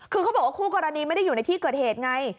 คือเขาบอกว่าคู่กรณีไม่ได้อยู่ในที่เกิดเหตุไง